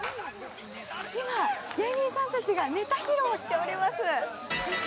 今、芸人さんたちがネタ披露をしております。